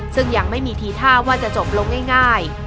ซึ่งยังไม่มีทีท่าว่าจะจบลงง่าย